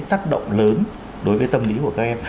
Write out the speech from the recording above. tác động lớn đối với tâm lý của các em